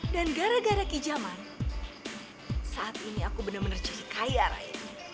dan gara gara kijaman saat ini aku benar benar jadi kaya ari